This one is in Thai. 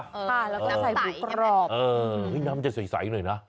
แล้วก็ใส่หมูกรอบน้ำจะใสหน่อยนะ